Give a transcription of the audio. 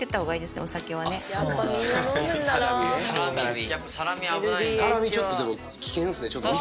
やっぱサラミ危ないんだ。